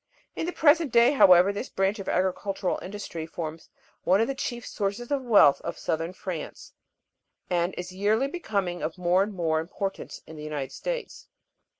In the present day, however, this branch of agricultural industry forms one of the chief sources of wealth of southern France; and is yearly becoming of more and more importance in the United States.